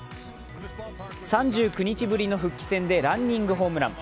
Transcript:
３９日ぶりの復帰戦でランニングホームラン。